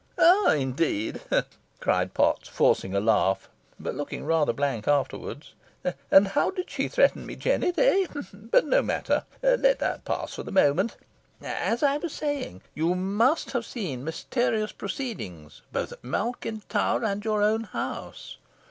"Ah, indeed," cried Potts, forcing a laugh, but looking rather blank afterwards; "and how did she threaten me, Jennet, eh? But no matter. Let that pass for the moment. As I was saying, you must have seen mysterious proceedings both at Malkin Tower and your own house.